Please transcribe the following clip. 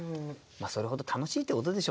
それほど楽しいってことでしょうね。